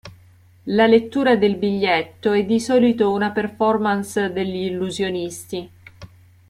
La "lettura del biglietto" è di solito una performance degli illusionisti.